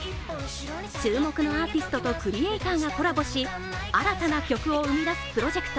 注目のアーティストとクリエ−ターがコラボし、新たな曲を生み出すプロジェクト